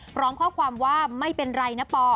พร้อมข้อความว่าไม่เป็นไรนะปอ